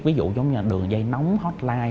ví dụ như là đường dây nóng hotline